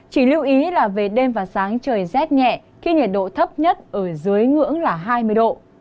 chỉ lưu ý là về đêm và sáng trời rét nhẹ khi nhiệt độ thấp nhất ở dưới ngưỡng là hai mươi độ